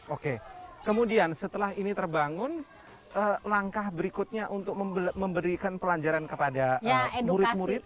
oke kemudian setelah ini terbangun langkah berikutnya untuk memberikan pelajaran kepada murid murid